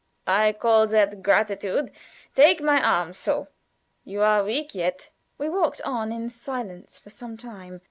"I call that gratitude. Take my arm so. You are weak yet." We walked on in silence for some time.